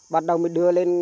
bắt đầu mình đưa lên